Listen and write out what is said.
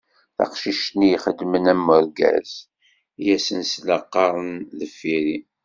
Taqcict-nni ixedmen am urgaz, I asen-selleɣ qqaren deffir-i.